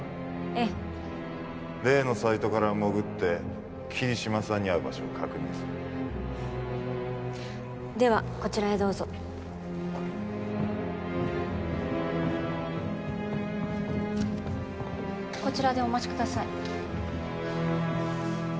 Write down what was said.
ええ例のサイトから潜って桐島さんに会う場所を確認するではこちらへどうぞこちらでお待ちください